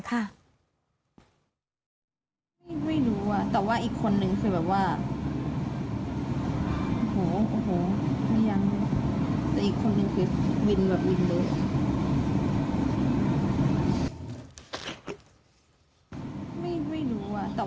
ไม่รู้อ่ะแต่ว่าอีกคนนึง